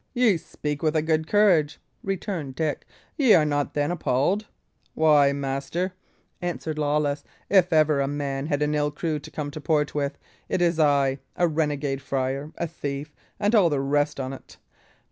"Ye speak with a good courage," returned Dick. "Ye are not then appalled?" "Why, master," answered Lawless, "if ever a man had an ill crew to come to port with, it is I a renegade friar, a thief, and all the rest on't.